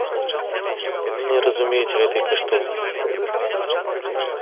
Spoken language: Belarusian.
Яны не разумеюць гэтай каштоўнасці.